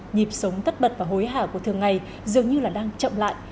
nhịp sống tất bật và hối hả của thường ngày dường như là đang chậm lại